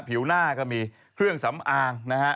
ผิวหน้าก็มีเครื่องสำอางนะฮะ